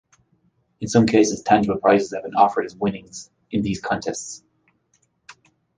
In some cases, tangible prizes have been offered as winnings in these contests.